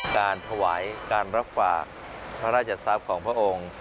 การถวายการรับฝากพระราชทรัพย์ของพระองค์